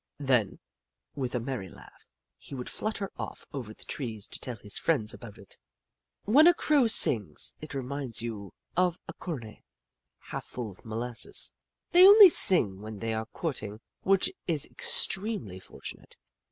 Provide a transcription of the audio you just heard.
Then, with a merry laugh, he would flutter off over the trees to tell his friends about it. When a Crow sings, it reminds you of a cornet half full of molasses. They only sing when they are courting, which is extremely fortunate.